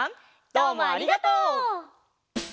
どうもありがとう。